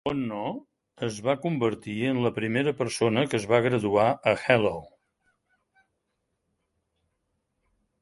Konno es va convertir en la primera persona que es va graduar a Hello!